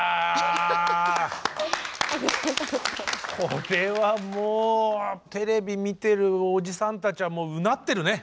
これはもうテレビ見てるおじさんたちはもううなってるね。